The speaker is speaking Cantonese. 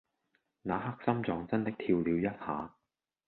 那刻心臟真的跳了一下